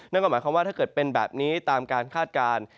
นั่นก็หมายความว่าถ้าเกิดเป็นแบบนี้ตามการคาดการณ์